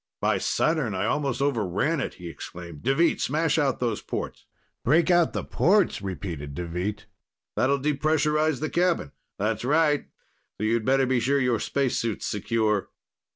"By Saturn, I almost overran it!" he exclaimed. "Deveet, smash out those ports." "Break out the ports?" repeated Deveet. "That'll depressurize the cabin!" "That's right. So you'd better be sure your spacesuit's secure."